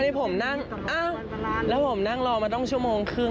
อันนี้ผมนั่งแล้วผมนั่งรอมาต้องชั่วโมงครึ่ง